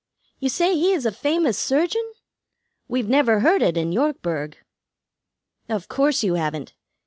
You say he is a famous surgeon? We've never heard it in Yorkburg." "Of course you haven't.